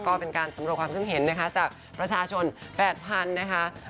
ก็เป็นการสำรวจความขึ้นเห็นนะคะจากประชาชน๘๐๐๐นะคะ